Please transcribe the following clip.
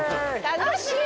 楽しい！